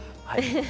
はい。